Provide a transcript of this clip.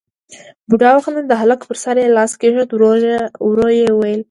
بوډا وخندل، د هلک پر سر يې لاس کېښود، ورو يې وويل: